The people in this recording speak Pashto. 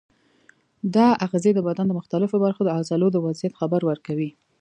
دا آخذې د بدن د مختلفو برخو د عضلو د وضعیت خبر ورکوي.